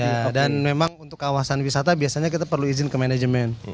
iya dan memang untuk kawasan wisata biasanya kita perlu izin ke manajemen